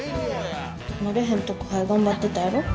慣れへん宅配頑張ってたやろ？